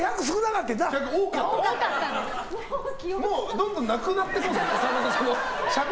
どんどんなくなってくんですか？